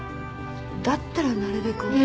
だったらなるべく多く。